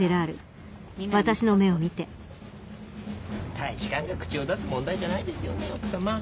大使館が口を出す問題じゃないですよね奥さま。